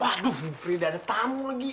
waduh frida ada tamu lagi